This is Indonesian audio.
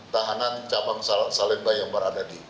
tahanan cabang salemba yang berada di